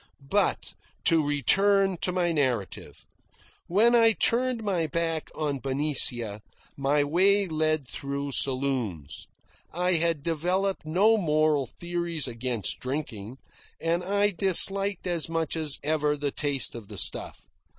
But to return to my narrative. When I turned my back on Benicia, my way led through saloons. I had developed no moral theories against drinking, and I disliked as much as ever the taste of the stuff.